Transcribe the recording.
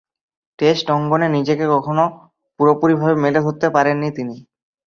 Test অঙ্গনে নিজেকে কখনো পুরোপুরিভাবে মেলে ধরতে পারেননি তিনি।